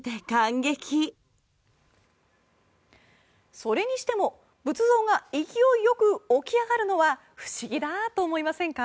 それにしても仏像が勢いよく起き上がるのは不思議だと思いませんか？